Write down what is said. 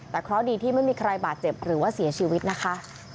แต่เคราะห์ดีที่ไม่มีใครบาดเจ็บหรือว่าเสียชีวิตนะคะ